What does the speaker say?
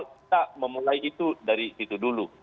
kita memulai itu dari situ dulu